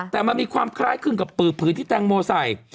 แต่มันมีความคล้ายคลึงกับปืบผืนที่แตงโมใส่